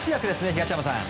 東山さん。